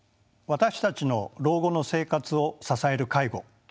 私たちの老後の生活を支える介護。